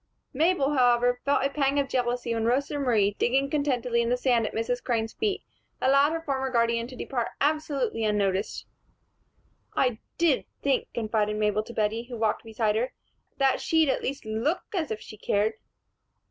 Mabel, however, felt a pang of jealousy when Rosa Marie, digging contentedly in the sand at Mrs. Crane's feet, allowed her former guardian to depart absolutely unnoticed. "I did think," confided Mabel to Bettie, who walked beside her, "that she'd at least look as if she cared."